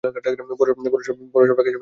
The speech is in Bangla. ডরসাম ফ্যাকাশে বাদামি।